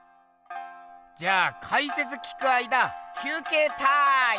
じゃあかいせつ聞く間きゅうけいターイム！